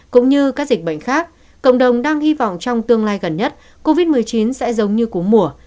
cũng như các dịch bệnh khác cộng đồng đang hy vọng trong tương lai gần nhất covid một mươi chín sẽ giống như cú mùa